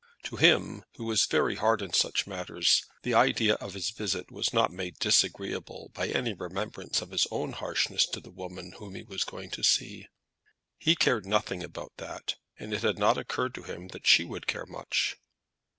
To him, who was very hard in such matters, the idea of his visit was not made disagreeable by any remembrance of his own harshness to the woman whom he was going to see. He cared nothing about that, and it had not occurred to him that she would care much.